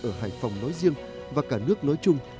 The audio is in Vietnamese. ở hải phòng nói riêng và cả nước nói chung